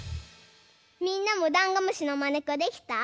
みんなもダンゴムシのまねっこできた？